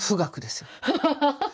ハハハハハ！